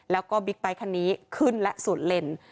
แล้วก็บิ๊กไบท์คันนี้ขึ้นและสวนเลน